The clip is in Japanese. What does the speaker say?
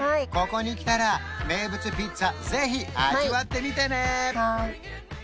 ここに来たら名物ピッツァぜひ味わってみてね！